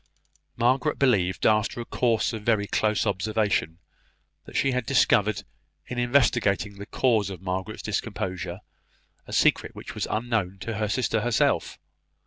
Margaret believed, after a course of very close observation, that she had discovered, in investigating the cause of Hester's discomposure, a secret which was unknown to her sister herself.